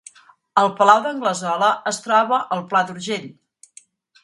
El Palau d’Anglesola es troba al Pla d’Urgell